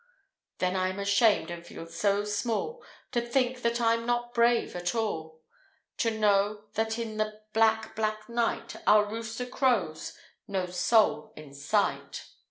Then I'm ashamed, and feel so small To think that I'm not brave at all; To know that in the black, black night, Our rooster crows no soul in sight.